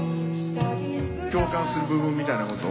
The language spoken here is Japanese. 共感する部分みたいなこと？